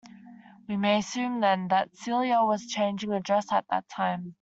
We may assume, then, that Celia was changing her dress at that time.